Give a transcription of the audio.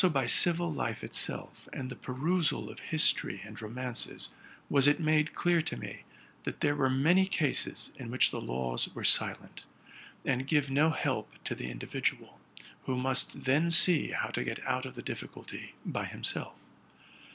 by civil life itself, and the perusal of history and romances, was it made clear to me that there were many cases in which the laws are silent, and give no help to the individual, who must then see how to get out of the difficulty by himself.